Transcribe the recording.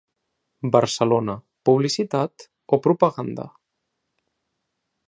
Barcelona, publicitat o propaganda?